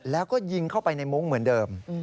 แล้วก็ยิงเข้าไปในมุ้งเหมือนเดิม